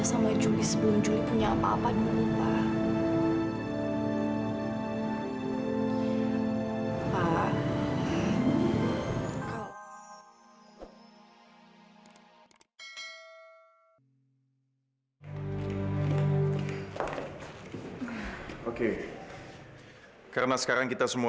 sampai jumpa di video selanjutnya